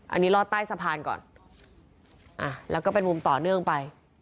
อันนี้รอดใต้สะพานก่อนแล้วก็เป็นมุมต่อเนื่องไป